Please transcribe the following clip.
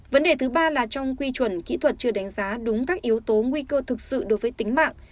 vấn đề thứ ba là trong quy chuẩn kỹ thuật chưa đánh giá đúng các yếu tố nguy cơ thực sự đối với tính mạng